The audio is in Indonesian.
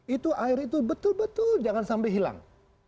itu air itu betul betul jangan sampai hilang